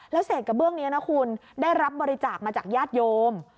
แล้วเศษกระเบื้องนี้นะคุณได้รับบริจาคมาจากญาติโยม